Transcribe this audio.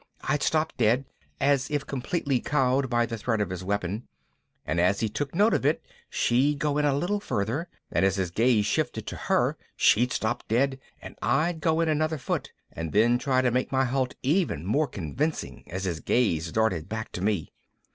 I'd stop dead, as if completely cowed by the threat of his weapon, and as he took note of it she'd go in a little further, and as his gaze shifted to her she'd stop dead and I'd go in another foot and then try to make my halt even more convincing as his gaze darted back to me.